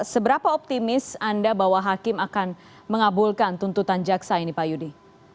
seberapa optimis anda bahwa hakim akan mengabulkan tuntutan jaksa ini pak yudi